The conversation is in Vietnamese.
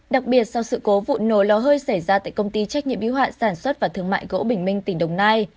đặc biệt sau sự cố vụ nổ lò hơi xảy ra tại công ty trách nhiệm yếu hạn sản xuất và thương mại gỗ bình minh tỉnh đồng nai